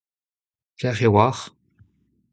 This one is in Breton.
Pelec'h e oac'h ?